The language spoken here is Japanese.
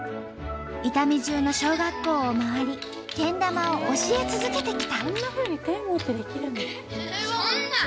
伊丹じゅうの小学校を回りけん玉を教え続けてきた。